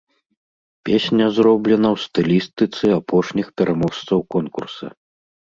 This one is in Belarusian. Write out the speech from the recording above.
Песня зроблена ў стылістыцы апошніх пераможцаў конкурса.